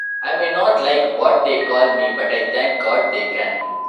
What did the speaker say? I may not like what they call me, but I thank God they can.